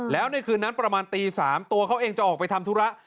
แล้วในคืนนั้นประมาณตี๓ตัวเขาเองจะออกไปทำธุระ